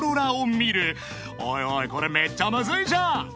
［おいおいこれめっちゃむずいじゃん］